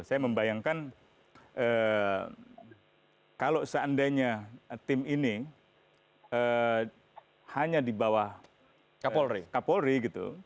saya membayangkan kalau seandainya tim ini hanya di bawah kapolri gitu